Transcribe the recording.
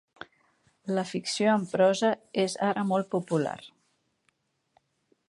La ficció en prosa és ara molt popular.